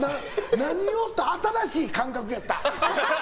何！？って新しい感覚やった。